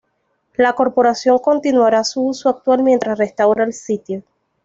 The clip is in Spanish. La Corporación continuará su uso actual mientras restaura el sitio.